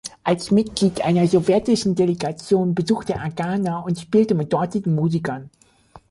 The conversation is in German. Als Mitglied einer sowjetischen Delegation besuchte er Ghana und spielte mit dortigen Musikern.